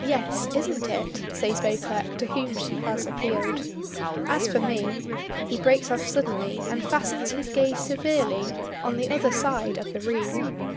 "Yes; isn't it?" says Beauclerk, to whom she has appealed. "As for me " He breaks off suddenly and fastens his gaze severely on the other side of the room.